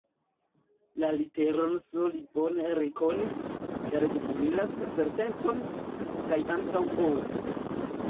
La literon S li bone rekonis, ĉar ĝi similas serpenton, kaj ankaŭ O.